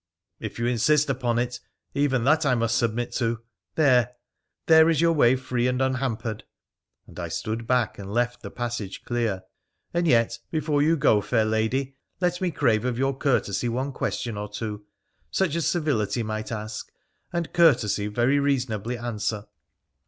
' If you insist upon it, even that I must submit to. There !— there is your way free and unhampered !' and I stood back and left the passage clear —' and yet, before you go, fair lady, let me crave of your courtesy one question or two, such as civility might ask, and courtesy very reasonably answer.'